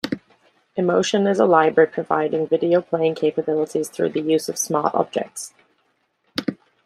Emotion is a library providing video-playing capabilities through the use of "smart-objects".